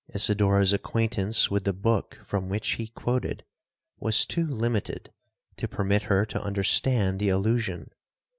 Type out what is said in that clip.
'Isidora's acquaintance with the book from which he quoted, was too limited to permit her to understand the allusion.